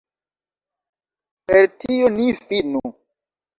Per tio ni finu.